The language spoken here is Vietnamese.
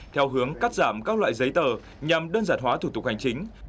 theo hướng cắt giảm các loại giấy tờ nhằm đơn giản hóa thủ tục hành chính